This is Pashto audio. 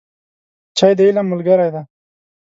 چای د علم ملګری دی